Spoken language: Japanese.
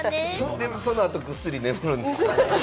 でも、その後、ぐっすり眠るんですよ。